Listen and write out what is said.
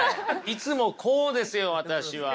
いつもこうですよ私は。